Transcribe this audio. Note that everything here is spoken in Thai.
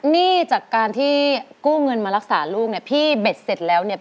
หนี้จากการที่กู้เงินมารักษาลูกเนี่ยพี่เบ็ดเสร็จแล้วเนี่ย